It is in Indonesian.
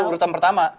itu udah urutan pertama